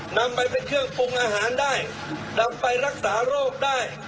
นำไปเป็นเครื่องปรุงอาหารได้นำไปรักษาโรคได้